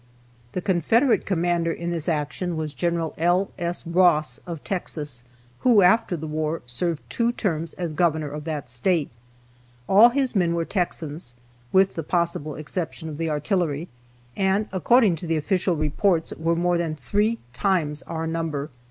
The Confederate commander in this action was Gen. L. S. Ross of Texas, who, after the war, served two terms as governor of that State. All his men were Texans, (with the possible exception of the artillery,) and, according to the official reports, were more than three times our number.